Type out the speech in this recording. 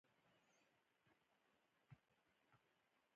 انجینر باید د دوکه ورکولو څخه ډډه وکړي.